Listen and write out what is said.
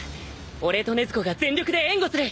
俺と禰豆子が全力で援護する！